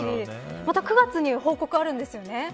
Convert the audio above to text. また９月に報告あるんですよね。